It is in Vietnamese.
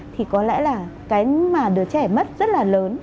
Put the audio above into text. thì có lẽ là cái mà đứa trẻ mất rất là lớn